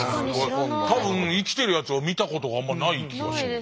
多分生きてるやつを見たことがあんまない気がします。